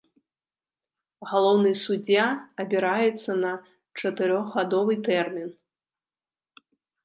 Галоўны суддзя абіраецца на чатырохгадовы тэрмін.